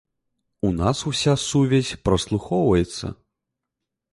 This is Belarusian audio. У нас уся сувязь праслухоўваецца.